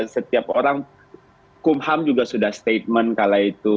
setiap orang kumham juga sudah statement kala itu